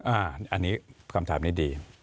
อันนี้คำถามนี้ดี